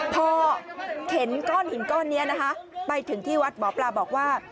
พอเข็นก้อนหินก้อนนี้นะคะไปถึงที่วัดหมอปลาบอกว่า